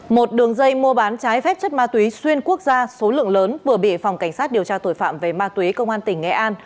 một đường dây mua bán trái phép chất ma túy xuyên quốc gia số lượng lớn vừa bị phòng cảnh sát điều tra tội phạm về ma túy công an tỉnh nghệ an